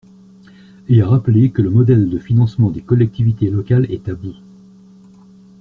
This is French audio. Et à rappeler que le modèle de financement des collectivités locales est à bout.